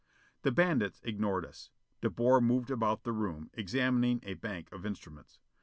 The bandits ignored us. De Boer moved about the room, examining a bank of instruments.